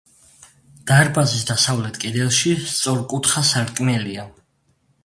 დარბაზის დასავლეთ კედელში სწორკუთხა სარკმელია.